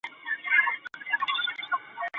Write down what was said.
生驹郡为奈良县属下的郡。